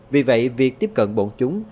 vì vậy việc tiếp cận bọn chúng